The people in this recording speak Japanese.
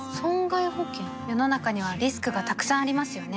世の中にはリスクがたくさんありますよね